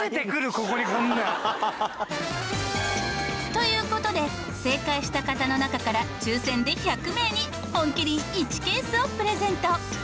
ここにこんな。という事で正解した方の中から抽選で１００名に本麒麟１ケースをプレゼント。